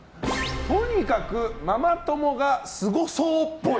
とにかくママ友がスゴそうっぽい。